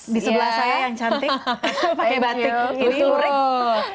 di sebelah saya yang cantik pakai batik